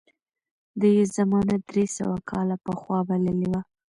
ده یې زمانه درې سوه کاله پخوا بللې وه.